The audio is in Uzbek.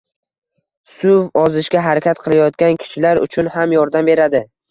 Suv ozishga harakat qilayotgan kishilar uchun ham yordam beradi.